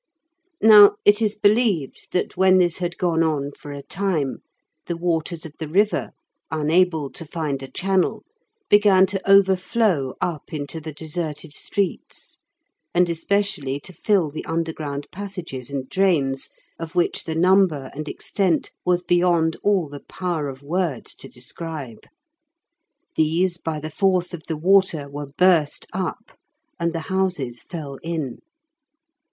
Now it is believed that when this had gone on for a time, the waters of the river, unable to find a channel, began to overflow up into the deserted streets, and especially to fill the underground passages and drains, of which the number and extent was beyond all the power of words to describe. These, by the force of the water, were burst up, and the houses fell in.